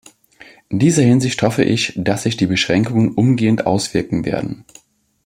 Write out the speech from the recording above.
In dieser Hinsicht hoffe ich, dass sich die Beschränkungen umgehend auswirken werden.